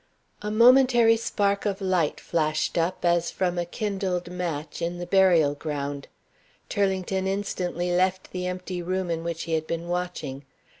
A momentary spark of light flashed up, as from a kindled match, in the burial ground. Turlington instantly left the empty room in which he had been watching.